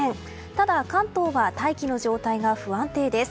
ただ関東は大気の状態が不安定です。